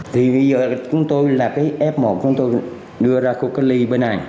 thì bây giờ chúng tôi là cái f một chúng tôi đưa ra khu cách ly bên này